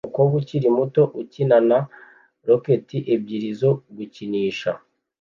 Umukobwa ukiri muto ukina na roketi ebyiri zo gukinisha